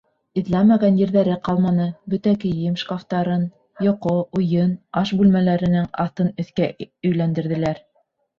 Эҙләмәгән ерҙәре ҡалманы: бөтә кейем шкафтарын, йоҡо, уйын, аш бүлмәләренең аҫтын-өҫкә өйләндерҙеләр.